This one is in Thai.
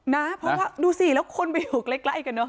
นะเพราะว่าดูสิแล้วคนไปอยู่ใกล้กันเนอ